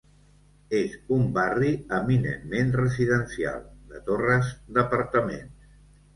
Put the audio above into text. És un barri eminentment residencial, de torres d'apartaments.